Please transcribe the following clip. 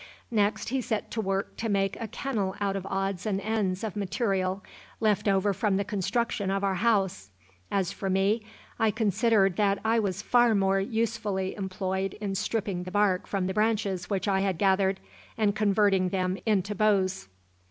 Next, he set to work to make a kennel out of odds and ends of material left over from the construction of our house. As for me, I considered that I was far more usefully employed in stripping the bark from the branches which I had gathered, and converting them into bows.